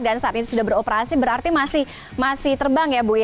dan saat itu sudah beroperasi berarti masih terbang ya bu ya